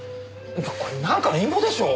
これなんかの陰謀でしょう！？